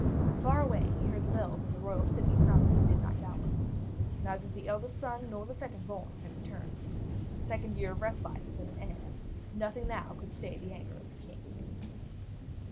Far away, he heard the bells of the royal city sound the midnight hour. Neither the eldest son nor the second born had returned. The second year of respite was at an end; nothing now could stay the anger of the King.